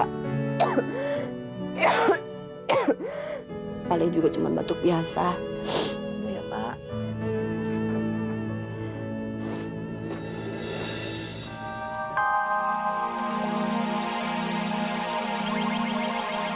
kalau juga cuman batuk biasa ya pak